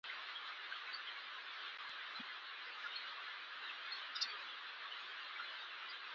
ایا کومه ځانګړې مسله شتون لري چې تاسو یې مرستې ته اړتیا لرئ؟